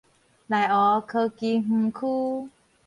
內湖科技園區